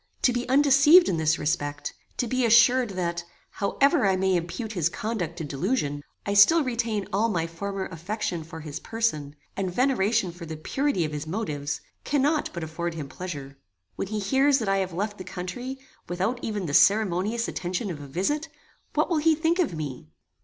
To be undeceived in this respect, to be assured that, however I may impute his conduct to delusion, I still retain all my former affection for his person, and veneration for the purity of his motives, cannot but afford him pleasure. When he hears that I have left the country, without even the ceremonious attention of a visit, what will he think of me?